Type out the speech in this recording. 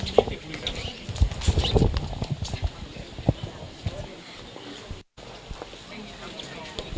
สวัสดีครับ